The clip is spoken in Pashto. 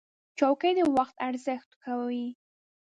چوکۍ د وخت ارزښت ښووي.